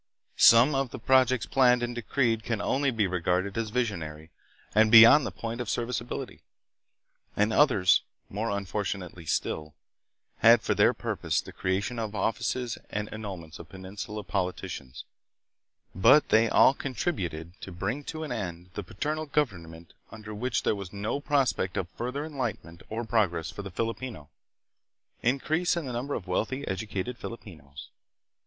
Some of the projects planned and decreed can only be regarded as visionary and beyond the point of serviceability, and others, more unfortunately still, had for their purpose the creation of offices and emoluments for Peninsula politi cians; but they all contributed to bring to an end the PROGRESS AND REVOLUTION. 18S7 1897. 277 paternal government under which there was no prospect of further enlightenment or progress for the Filipino. Increase in the Number of Wealthy, Educated Filipinos.